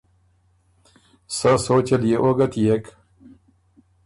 سۀ سوچ ال يې او ګه تيېک